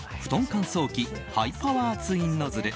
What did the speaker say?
乾燥機ハイパワーツインノズル。